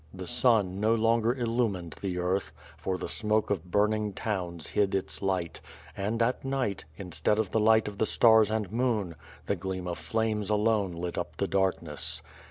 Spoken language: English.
The sun no longer illumined the earth, for the smoke of burning towms hid its light; and, at night, instead of the light of the stars and moon, the gleam of flames alone lit up the darkness.